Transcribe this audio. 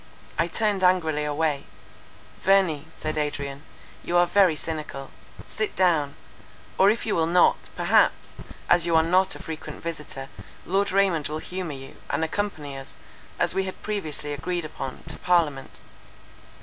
'" I turned angrily away: "Verney," said Adrian, "you are very cynical: sit down; or if you will not, perhaps, as you are not a frequent visitor, Lord Raymond will humour you, and accompany us, as we had previously agreed upon, to parliament."